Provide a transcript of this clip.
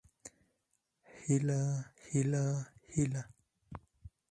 هيله هيله هيله